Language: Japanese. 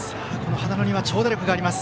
羽田野には長打力があります。